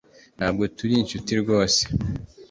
Ntabwo tukiri inshuti rwose